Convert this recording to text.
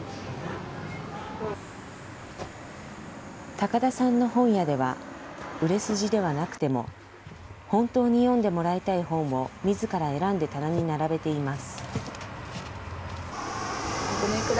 高田さんの本屋では、売れ筋ではなくても、本当に読んでもらいたい本をみずから選んで棚に並べています。